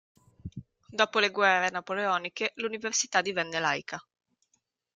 Dopo le guerre napoleoniche, l'università divenne laica.